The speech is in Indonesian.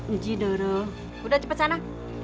njidoro udah cepet sana